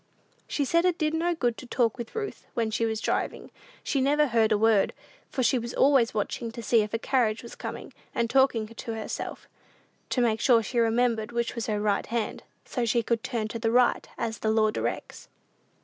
She said it did no good to talk with Ruth when she was driving; she never heard a word, for she was always watching to see if a carriage was coming, and talking to herself, to make sure she remembered which was her right hand, so she could "turn to the right, as the law directs."